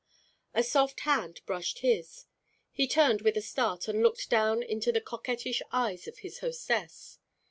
A soft hand brushed his. He turned with a start and looked down into the coquettish eyes of his hostess.